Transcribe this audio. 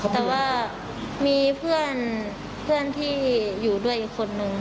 แต่ว่ามีเพื่อนที่อยู่ด้วยอีกคนนึง